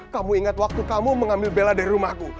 kamu ingat waktu kamu mengambil bela dari rumahku